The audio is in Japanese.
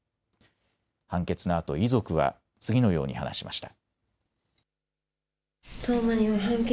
判決のあと遺族は次のように話しました。